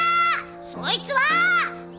そいつは！